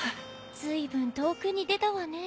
ずいぶん遠くに出たわね。